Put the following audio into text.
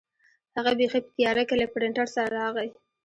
هغه بیخي په تیاره کې له پرنټر سره راغی.